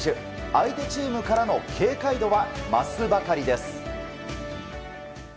相手チームからの警戒度は増すばかりです。